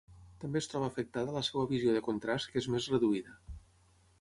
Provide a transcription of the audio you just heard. També es troba afectada la seva visió de contrast que és més reduïda.